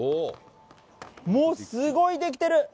もうすごい出来てる。